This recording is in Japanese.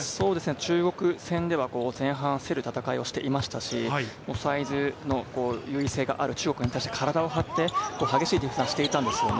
中国戦では前半、競る戦いをしていましたし、サイズの優位性がある中国に対して体を張って激しいディフェンスをしていました。